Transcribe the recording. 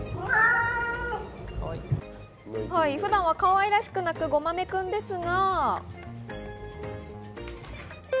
普段はかわいらしく鳴く、ごまめくんですが。